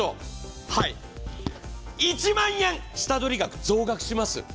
なんと、はい、１万円下取り額増額します。